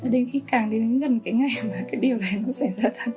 đến khi càng đến gần cái ngày mà cái điều này nó xảy ra thật